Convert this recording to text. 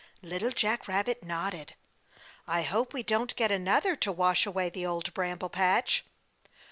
Little Jack Rabbit nodded. "I hope we don't get another to wash away the Old Bramble Patch."